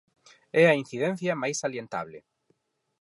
É a incidencia máis salientable.